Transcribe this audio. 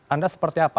anda seperti apa